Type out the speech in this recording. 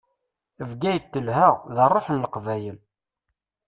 Bgayet telha, d ṛṛuḥ n leqbayel.